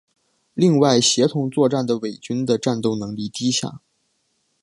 另外协同作战的伪军的战斗能力低下。